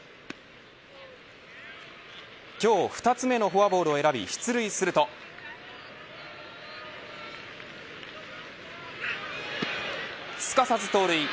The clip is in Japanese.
今日２つ目のフォアボールを選び出塁するとすかさず盗塁。